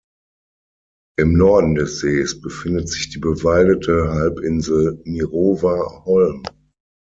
Im Norden des Sees befindet sich die bewaldete Halbinsel "Mirower Holm".